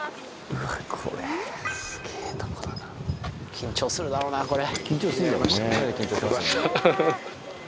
緊張するだろうなこれ。